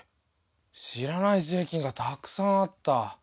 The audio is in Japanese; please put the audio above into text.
知らない税金がたくさんあった。